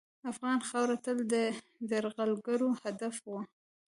افغان خاوره تل د یرغلګرو هدف وه.